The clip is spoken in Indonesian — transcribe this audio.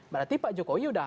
berarti pak jokowi sudah